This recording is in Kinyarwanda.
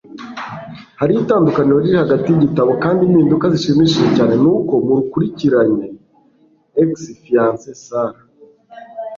Hariho itandukaniro riri hagati yigitabo, kandi impinduka zishimishije cyane nuko murukurikirane ex-fiancee Sarah